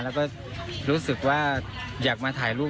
แล้วก็รู้สึกว่าอยากมาถ่ายรูป